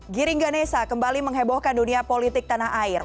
giring ganesa kembali menghebohkan dunia politik tanah air